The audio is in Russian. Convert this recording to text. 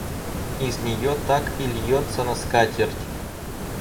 Из неё так и льется на скатерть.